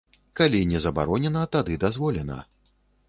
Калі не забаронена, тады дазволена.